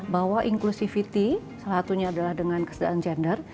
bahwa inclusivity salah satunya adalah dengan kesetaraan gender